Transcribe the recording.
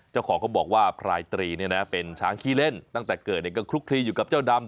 เจ้าของเขาบอกว่าพรายตรีเนี่ยนะเป็นช้างขี้เล่นตั้งแต่เกิดก็คลุกคลีอยู่กับเจ้าดำ